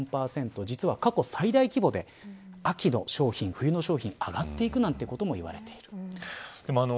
実は、過去最大規模で秋の商品、冬の商品上がっていくともいわれている。